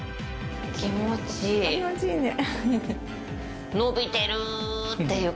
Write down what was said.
気持ちいいね。